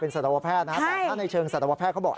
สัตวแพทย์นะแต่ถ้าในเชิงสัตวแพทย์เขาบอก